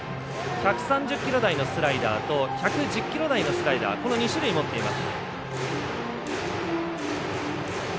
１３０キロ台のスライダーと１１０キロ台のスライダー２種類持っています。